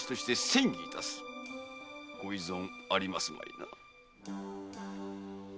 ご異存ありますまいな？